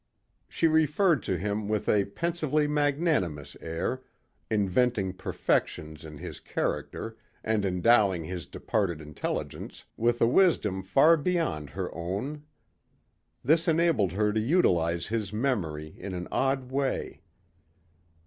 She referred to him with a pensively magnanimous air, inventing perfections in his character and endowing his departed intelligence with a wisdom far beyond her own. This enabled her to utilize his memory in an odd way.